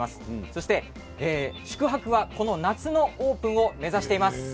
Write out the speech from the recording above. そして宿泊はこの夏のオープンを目指しています。